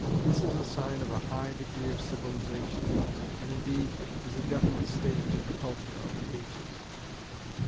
This is a sign of a high degree of civilisation, and indeed, is a definite stage in the culture of the ages.